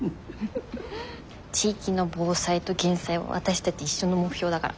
地域の防災と減災は私たち一緒の目標だから。